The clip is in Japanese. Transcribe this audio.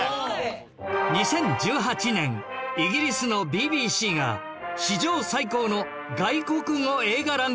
２０１８年イギリスの ＢＢＣ が史上最高の外国語映画ランキングを発表